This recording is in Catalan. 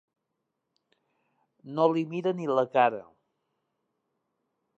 No li mira ni la cara.